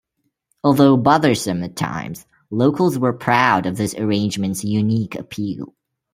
Although bothersome at times, locals were proud of this arrangement's unique appeal.